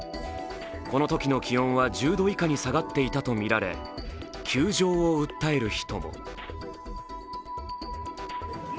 このときの気温は１０度いかに下がっていたとみられ窮状を訴える人も。